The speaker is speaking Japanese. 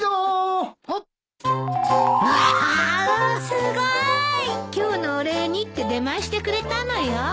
すごい！今日のお礼にって出前してくれたのよ。